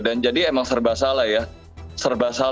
dan jadi emang serba salah ya serba salah bener bener serba salah